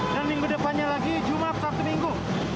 dan minggu depannya lagi jumat sabtu minggu